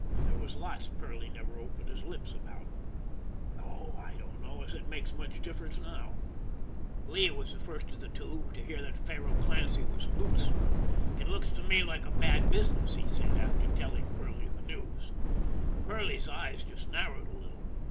There was lots Perley never opened his lips about. No, I don't know as it makes much difference now. THE MAN WHO DIDN'T COUNT 249 Lee was the first of the two to hear that Faro Clancy was " loose." " It looks to me like a bad busi ness," he said, after telling Perley the news. Perley's eyes just narrowed a little.